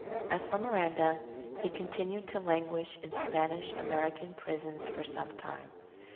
As for Miranda, he continued to languish in Spanish American prisons for some time.